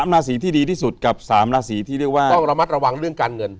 ราศีที่ดีที่สุดกับ๓ราศีที่เรียกว่าต้องระมัดระวังเรื่องการเงิน